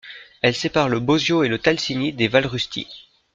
Elle sépare le Bozio et le Talcini des Vallerustie.